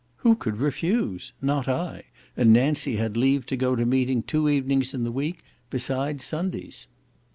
Who could refuse? Not I, and Nancy had leave to go to Meeting two evenings in the week, besides Sundays.